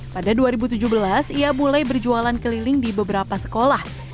pada dua ribu tujuh belas ia mulai berjualan keliling di beberapa sekolah